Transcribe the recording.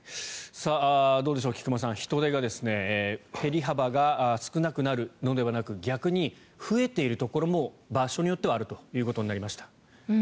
どうでしょう、菊間さん人出が減り幅が少なくなるのではなく逆に増えているところも場所によってはあるということになりました。